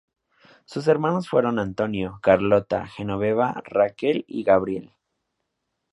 Sus hermanos fueron Antonio, Carlota, Genoveva, Raquel y Gabriel.